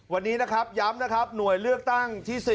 วันนี้อย้ำหน่วยเลือกตั้งที่๑๐